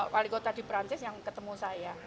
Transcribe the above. wali kota di perancis yang ketemu saya